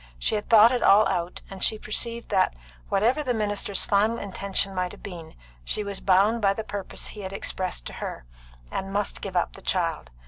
She had thought it all out, and she perceived that whatever the minister's final intention might have been, she was bound by the purpose he had expressed to her, and must give up the child.